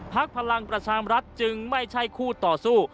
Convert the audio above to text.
พลังประชามรัฐจึงไม่ใช่คู่ต่อสู้